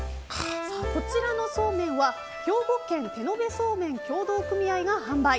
こちらのそうめんは兵庫県手延素麺協同組合が販売。